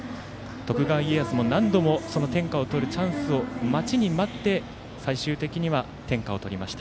徳川家康も何度も天下を取るチャンスを待ちに待って最終的には天下を取りました。